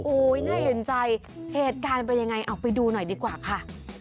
โอ้โหน่าเห็นใจเหตุการณ์เป็นยังไงเอาไปดูหน่อยดีกว่าค่ะ